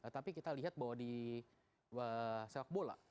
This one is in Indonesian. tapi kita lihat bahwa di sepak bola